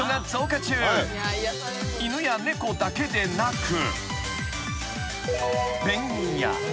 ［犬や猫だけでなく］